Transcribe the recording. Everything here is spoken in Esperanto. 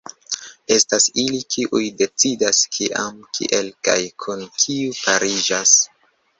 Estas ili kiuj decidas kiam, kiel kaj kun kiu pariĝas.